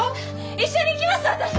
一緒に行きます私も。